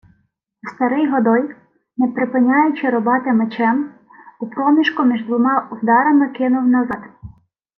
Старий Годой, не припиняючи рубати мечем, у проміжку між двома вдарами кивнув назад: